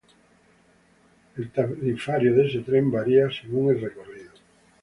El tarifario de este tren varía según el recorrido.